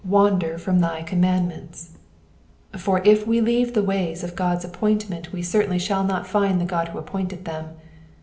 fjoander from thy commandments "/ for if we leave the ways of God's ap pointment we certainly shall not find the God who appointed Ihcm.